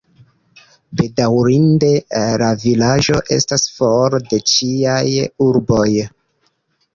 Bedaŭrinde, la vilaĝo estas for de ĉiaj urboj.